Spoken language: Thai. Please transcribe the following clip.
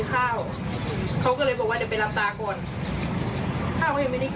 แล้วเขาก็วนกลับไปที่หน้าบ้านผู้ชายคนนั้นอีก